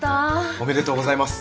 おめでとうございます。